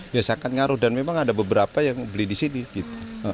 biasakan ngaruh dan memang ada beberapa yang beli di sini gitu